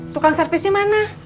tukang servisnya mana